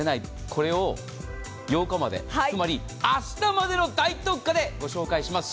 これを８日までつまり明日までの大特価でご紹介します。